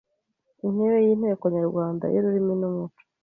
Intebe y’ Inteko Nyarwanda y’Ururimi n’Umuco